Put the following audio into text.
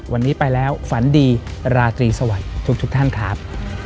วันนี้ไปแล้วฝันดีราตรีสวัสดีทุกท่านครับ